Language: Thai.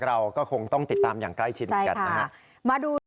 เราก็คงต้องติดตามอย่างใกล้ชินกันใช่ค่ะมาดู